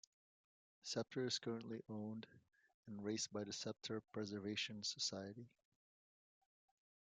"Sceptre" is currently owned and raced by the Sceptre Preservation Society.